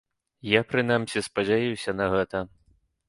Я, прынамсі, спадзяюся на гэта.